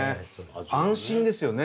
安心ですよね。